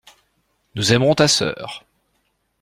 Nous aimerons ta sœur.